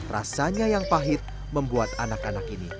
rasanya yang pahit membuat anak anak ini